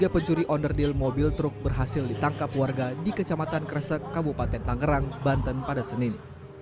tiga pencuri onderdil mobil truk berhasil ditangkap warga di kecamatan kresek kabupaten tangerang banten pada senin